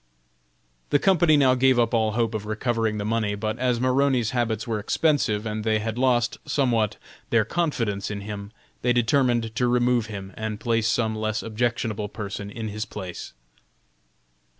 The company now gave up all hope of recovering the money; but as Maroney's habits were expensive, and they had lost, somewhat, their confidence in him, they determined to remove him and place some less objectionable person in his place.